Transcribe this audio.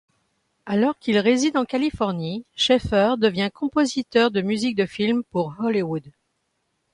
Alors qu'il réside en Californie, Schaefer devient compositeur de musique de film pour Hollywood.